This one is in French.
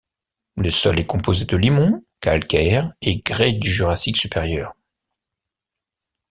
Le sol est composé de limons, calcaires et grès du Jurassique supérieur.